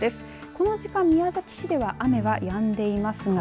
この時間、宮崎市では雨はやんでいますが。